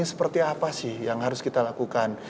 ini artinya apa sih yang harus kita lakukan